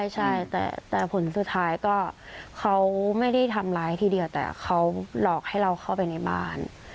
ใช่แต่ผลสุดท้ายก็เขาไม่ได้ทำร้ายทีเดียวแต่เขาหลอกให้เราเข้าไปในบ้าน